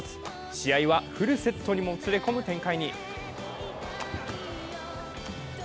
試合はフルセットにもつれ込む展開に。